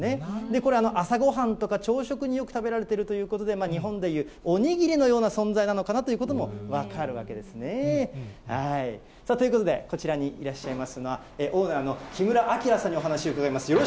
これ、朝ごはんとか朝食によく食べられているということで、日本でいうお握りのような存在なのかなということも分かるわけですね。ということで、こちらにいらっしゃいますのは、オーナーの木村顕さんにお話を伺います。